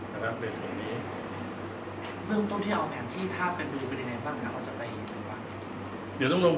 นะครับเป็นตรงนี้